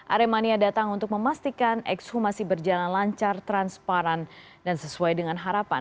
aremania datang untuk memastikan ekshumasi berjalan lancar transparan dan sesuai dengan harapan